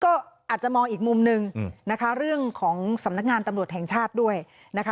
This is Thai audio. ก็อาจจะมองอีกมุมหนึ่งนะคะเรื่องของสำนักงานตำรวจแห่งชาติด้วยนะคะ